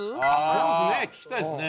そうですね聞きたいですね。